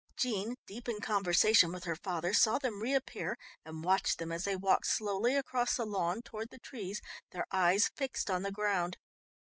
Jean, deep in conversation with her father, saw them reappear, and watched them as they walked slowly across the lawn toward the trees, their eyes fixed on the ground.